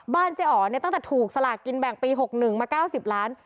บ้านเจ๋อ๋อตั้งแต่ถูกสลากินแบ่งปี๖๑มา๙๐ล้าน